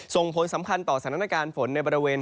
ส่งผลสำคัญต่อสถานการณ์ฝนในบริเวณ